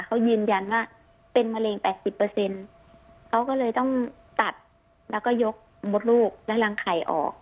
เขายืนยันว่าเป็นมะเร็งแปดสิบเปอร์เซ็นต์เขาก็เลยต้องตัดแล้วก็ยกมดลูกและรังไข่ออก